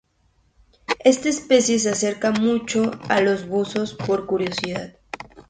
Esta especie se acerca mucho a los buzos por curiosidad.